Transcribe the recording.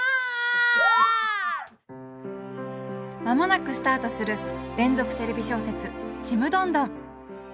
間もなくスタートする連続テレビ小説「ちむどんどん」。